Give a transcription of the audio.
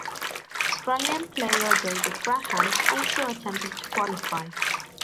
Australian player David Graham also attempted to qualify.